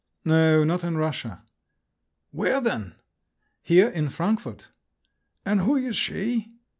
"No, not in Russia." "Where then?" "Here in Frankfort." "And who is she?"